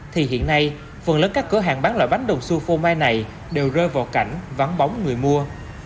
thì hiện nay phần lớn các cửa hàng bán loại bánh đồng su phô mai này đều rơi vào cảnh vắng bóng người mua